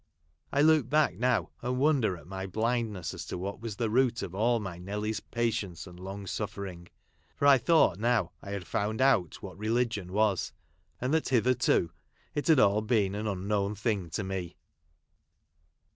I look back noAv, and Avonder at my blindness as to what was the root of all my Nelly's patience and long suffering ; for I thought, no\v I had found out what religion was, and that hitherto it had been all an unknoAvu thing to me.